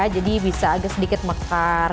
jadi bisa agak sedikit mekar